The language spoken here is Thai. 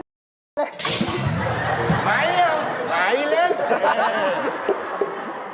ไม่เอาหลายเล่น